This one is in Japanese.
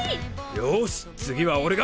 よし次は俺が！